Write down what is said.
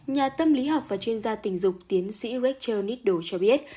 nhà tâm lý học và chuyên gia tình dục tiến sĩ rachel niddle cho biết